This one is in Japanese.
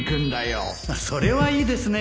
それはいいですね